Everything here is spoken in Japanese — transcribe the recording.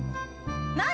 何！？